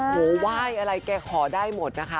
โหว่ายอะไรแกขอได้หมดนะคะ